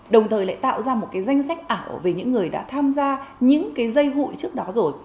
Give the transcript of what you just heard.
đồng thời lại tạo ra một cái danh sách ảo về những người đã tham gia những cái dây hụi trước đó rồi